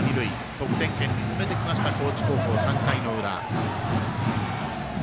得点圏に進めてきました高知高校、３回の裏。